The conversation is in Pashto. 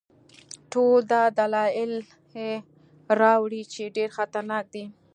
ټول دا دلایل یې راوړي چې ډېر خطرناک دی.